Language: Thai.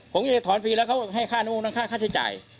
ผมจะถอนฟรีแล้วเขาให้ค่าหนูค่าใช้จ่าย